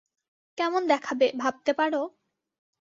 কেমন দেখাবে, ভাবতে পারো?